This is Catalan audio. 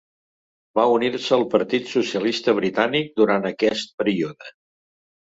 Va unir-se al Partit Socialista Britànic durant aquest període.